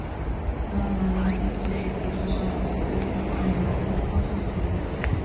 Normalmente estos recursos son accesibles en una red o sistema.